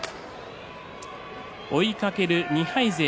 追いかける２敗勢。